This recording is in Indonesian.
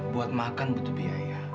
buat makan butuh biaya